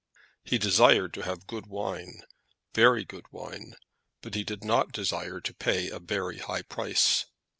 He desired to have good wine, very good wine; but he did not desire to pay a very high price.